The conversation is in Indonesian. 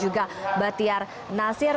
juga batiar nasir